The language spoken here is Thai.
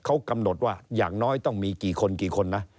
เขากำหนดว่าอย่างน้อยต้องมีกี่คนกี่คนนะ